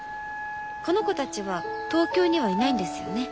この子たちは東京にはいないんですよね？